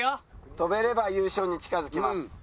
跳べれば優勝に近づきます。